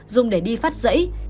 dùng để đi phát rẫy